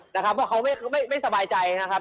เพราะเขาไม่สบายใจนะครับ